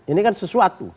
ini kan sesuatu